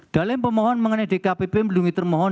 dalil pemohon mengenai dkpp melindungi termohon